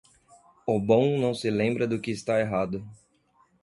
O bom não se lembra do que está errado.